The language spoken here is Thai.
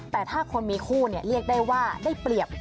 แต่ถ้าคนมีคู่เรียกได้ว่าได้เปรียบ